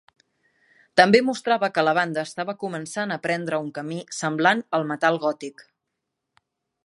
També mostrava que la banda estava començant a prendre un camí semblant al metal gòtic.